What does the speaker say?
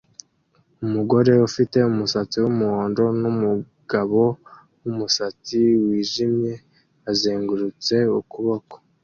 Umugore ufite umusatsi wumuhondo numugabo wumusatsi wijimye bazengurutse ukuboko